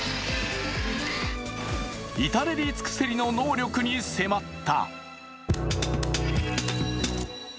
至れり尽くせりの能力に迫った。